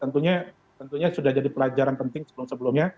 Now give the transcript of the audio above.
tentunya sudah jadi pelajaran penting sebelum sebelumnya